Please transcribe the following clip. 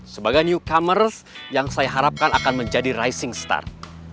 sebagai newcomer yang saya harapkan akan menjadi rising star